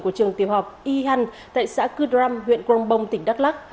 của trường tiềm họp y hăn tại xã cư đram huyện công bông tỉnh đắk lắc